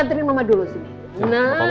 selamat mau aja ya